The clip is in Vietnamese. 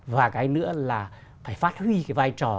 và cái nữa là phải phát huy cái vai trò